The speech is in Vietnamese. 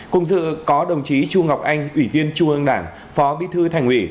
cùng dự có đồng chí chu ngọc anh ủy viên trung ương đảng phó bí thư thành ủy